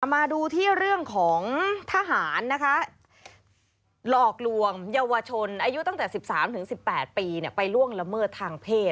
มาดูที่เรื่องของทหารนะคะหลอกลวงเยาวชนอายุตั้งแต่๑๓๑๘ปีไปล่วงละเมิดทางเพศ